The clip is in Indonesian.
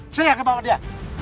sini aku bawa dia